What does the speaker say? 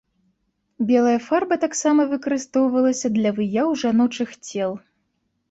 Белая фарба таксама выкарыстоўвалася для выяў жаночых цел.